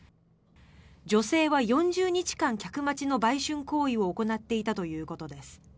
女性は４０日間客待ちの売春行為を行っていたということです。